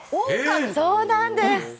「そうなんです！」